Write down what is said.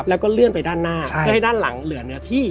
แล้วก็เลื่อนไปด้านหน้าเพื่อให้ด้านหลังเหลือเนื้อที่